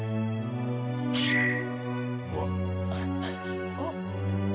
うわっ。